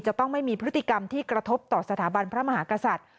จะต้องไม่มีพฤติกรรมที่กระทบต่อสถาบันพระมหากษัตริย์